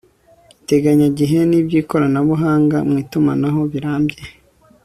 iteganyagihe n' iby' ikoranabuhanga mu itumanaho birambye